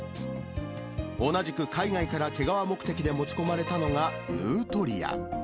同じく海外から毛皮目的で持ち込まれたのがヌートリア。